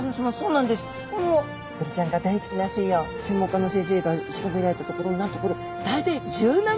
ブリちゃんが大好きな水温専門家の先生が調べられたところなんとこれ大体１７℃ぐらいを好むそうなんです。